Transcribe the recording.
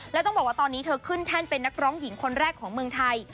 แล้วต้องบอกว่าตอนนี้เธอขึ้นแท่นเป็นนักร้องหญิงคนแรกของเมืองไทย